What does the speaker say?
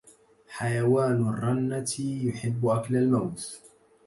حيوان الرنّة يحب أكل الموز.